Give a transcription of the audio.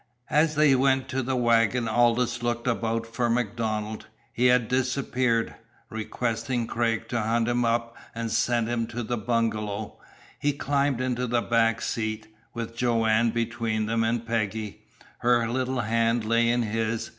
As they went to the wagon, Aldous looked about for MacDonald. He had disappeared. Requesting Gregg to hunt him up and send him to the bungalow, he climbed into the back seat, with Joanne between him and Peggy. Her little hand lay in his.